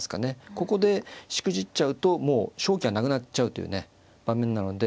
ここでしくじっちゃうともう勝機がなくなっちゃうというね場面なので。